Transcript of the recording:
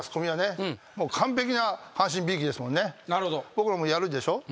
僕らもやるでしょ？